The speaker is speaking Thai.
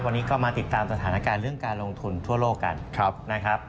วันนี้ก็มาติดตามสถานการณ์เรื่องการลงทุนทั่วโลกกันนะครับ